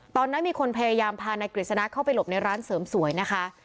ตอนนั้นมีคนพยายามพานายกฤษณะเข้าไปหลบในร้านเสริมสวยนะคะ